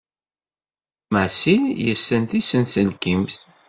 Masil yessen tisenselkimt.